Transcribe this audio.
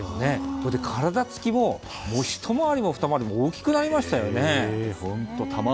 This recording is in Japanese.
それで体つきもひと回りも、ふた回りも大きくなりましたよね。